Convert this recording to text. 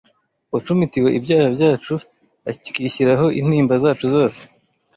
uwacumitiwe ibyaha byacu akishyiraho intimba zacu zose